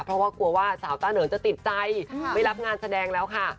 เพราะว่ากลัวว่าสาวต้าเหนิงจะติดใจไม่รับงานแสดงแล้วค่ะ